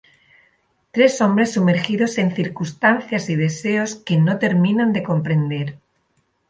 Tres hombres sumergidos en circunstancias y deseos que no terminan de comprender.